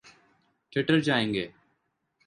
Theatre جائیں گے۔